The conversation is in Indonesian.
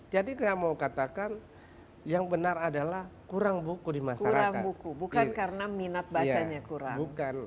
jadi jangan mau katakan yang benar adalah kurang buku di masyarakat bukan karena minat bacanya kurang